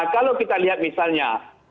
kalau kita lihat misalnya